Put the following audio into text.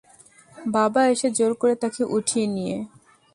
বাবা এসে জোর করে তাকে উঠিয়ে নিয়ে।